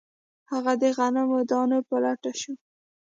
هغه د غنمو د دانو په لټون شو